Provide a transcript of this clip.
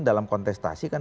dalam kontestasi kan